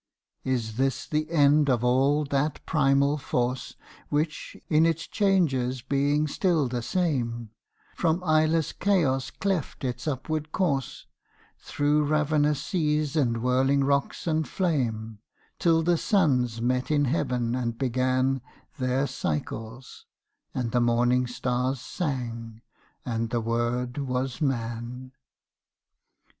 Is this the end of all that primal force Which, in its changes being still the same, From eyeless Chaos cleft its upward course, Through ravenous seas and whirling rocks and flame, Till the suns met in heaven and began Their cycles, and the morning stars sang, and the Word was Man!